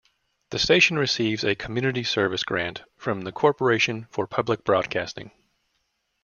The station receives a Community Service Grant from the Corporation For Public Broadcasting.